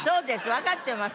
わかってます。